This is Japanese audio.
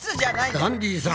ダンディさん